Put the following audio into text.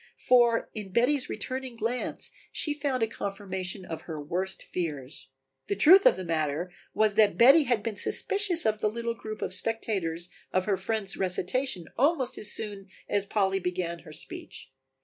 For in Betty's returning glance she found a confirmation of her worst fears. The truth of the matter was that Betty had been suspicious of the little group of spectators of her friend's recitation almost as soon as Polly began her speech.